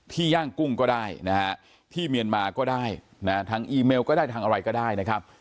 ย่างกุ้งก็ได้นะฮะที่เมียนมาก็ได้นะฮะทางอีเมลก็ได้ทางอะไรก็ได้นะครับ